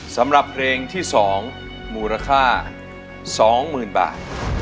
สำหรับเพลงที่๒มูลค่า๒๐๐๐บาท